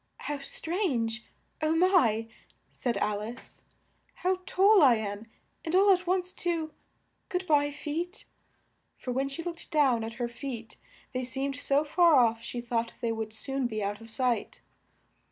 "How strange! Oh my!" said Al ice, "how tall I am, and all at once, too! Good by, feet." (For when she looked down at her feet they seemed so far off, she thought they would soon be out of sight.)